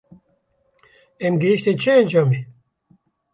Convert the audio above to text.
Em gihîştin çi encamê?